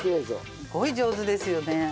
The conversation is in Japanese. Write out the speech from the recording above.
すごい上手ですよね。